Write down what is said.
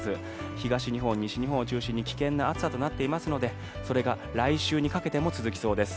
東日本、西日本を中心に危険な暑さとなっていますのでそれが来週にかけても続きそうです。